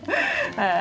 はい。